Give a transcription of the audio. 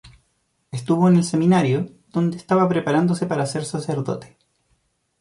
Estuvo en el seminario, donde estaba preparándose para ser sacerdote.